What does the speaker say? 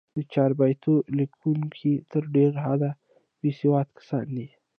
د چاربیتو لیکوونکي تر ډېره حده، بېسواد کسان دي.